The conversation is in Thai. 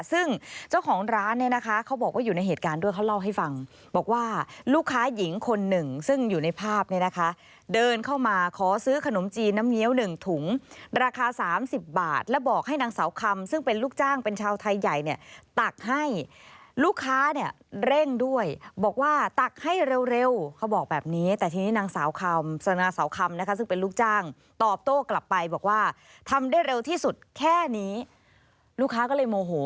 ซึ่งเจ้าของร้านเนี่ยนะคะเขาบอกว่าอยู่ในเหตุการณ์ด้วยเขาเล่าให้ฟังบอกว่าลูกค้าหญิงคนหนึ่งซึ่งอยู่ในภาพเนี่ยนะคะเดินเข้ามาขอซื้อขนมจีนน้ำเงี้ยวหนึ่งถุงราคาสามสิบบาทแล้วบอกให้นางสาวคำซึ่งเป็นลูกจ้างเป็นชาวไทยใหญ่เนี่ยตักให้ลูกค้าเนี่ยเร่งด้วยบอกว่าตักให้เร็วเขาบอกแบบนี้แต่